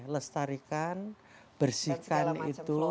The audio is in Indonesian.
lestarikan bersihkan itu